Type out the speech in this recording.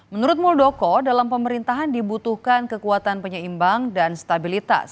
menurut muldoko dalam pemerintahan dibutuhkan kekuatan penyeimbang dan stabilitas